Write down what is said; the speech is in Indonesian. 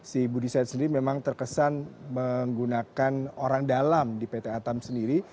si budi said sendiri memang terkesan menggunakan orang dalam di pt atam sendiri